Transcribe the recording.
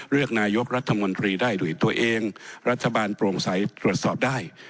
เลือกนายกรัฐมนตรีได้ด้วยตัวเองรัฐบาลโปร่งใสตรวจสอบได้